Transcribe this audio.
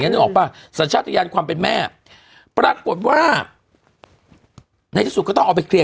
นึกออกป่ะสัญชาติยานความเป็นแม่ปรากฏว่าในที่สุดก็ต้องเอาไปเคลียร์